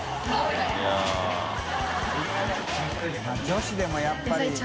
泙女子でもやっぱり。